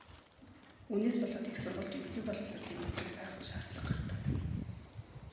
Үүнээс болоод их сургуульд ерөнхий боловсролын мэдлэг заах ч шаардлага гардаг.